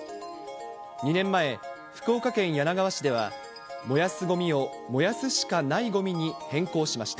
２年前、福岡県柳川市では、燃やすごみを、燃やすしかないごみに変更しました。